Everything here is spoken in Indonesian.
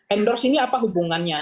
endorse ini apa hubungannya